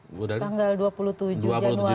tanggal dua puluh tujuh januari